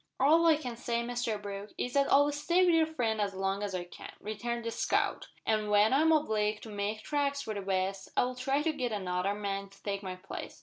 "All I can say, Mr Brooke, is that I'll stay wi' your friend as long as I can," returned the scout, "an' when I'm obleeged to make tracks for the west, I'll try to git another man to take my place.